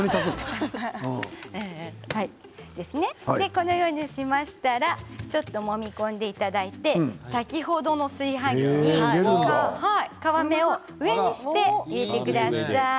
このようにしましたらもみ込んでいただいて先ほどの炊飯器に皮目を上にして入れてください。